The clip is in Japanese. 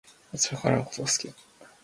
私は彼のことが好きだ